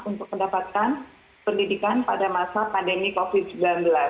untuk mendapatkan pendidikan pada masa pandemi covid sembilan belas